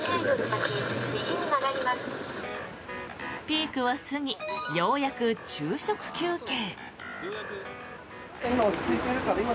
ピークは過ぎようやく昼食休憩。